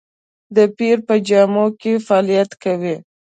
د پیر په جامه کې فعالیت کوي.